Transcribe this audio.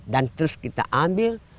dan terus kita ambil